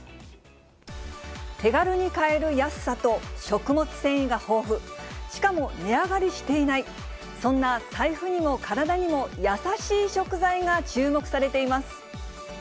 手軽に買える安さと、食物繊維が豊富、しかも値上がりしていない、そんな財布にも体にも優しい食材が注目されています。